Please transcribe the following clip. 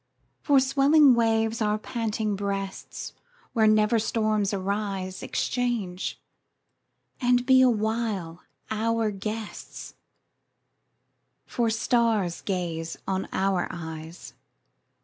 10 For swelling waves our panting breasts, Where never storms arise, Exchange, and be awhile our guests: For stars gaze on our eyes.